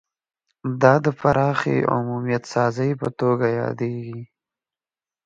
دا د پراخې عمومیت سازۍ په توګه یادیږي